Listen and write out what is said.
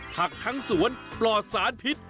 ทั้งสวนปลอดสารพิษ